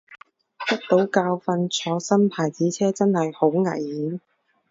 得到教訓，坐新牌子車真係好危險